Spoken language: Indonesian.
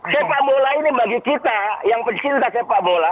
sepak bola ini bagi kita yang pecinta sepak bola